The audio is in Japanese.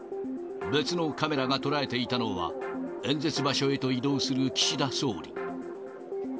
別のカメラが捉えていたのは、演説場所へと移動する岸田総理。